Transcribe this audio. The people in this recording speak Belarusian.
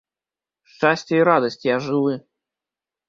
Шчасце і радасць, я жывы!